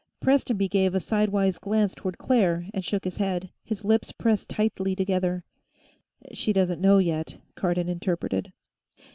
Prestonby gave a sidewise glance toward Claire and shook his head, his lips pressed tightly together. She doesn't know, yet, Cardon interpreted.